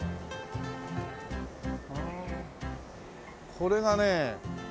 これがね